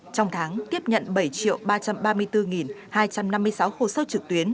trong tháng tiếp nhận bảy ba trăm ba mươi bốn hai trăm năm mươi sáu hồ sơ trực tuyến